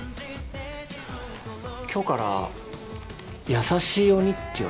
今日から優しい鬼って呼びます。